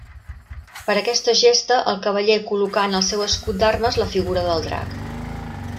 Per aquesta gesta el cavaller col·locà en el seu escut d'armes la figura del drac.